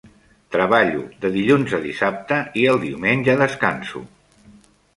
Treballo de dilluns a dissabte, i el diumenge descanso.